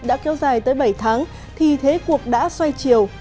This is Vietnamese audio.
đã kéo dài tới bảy tháng thì thế cuộc đã xoay chiều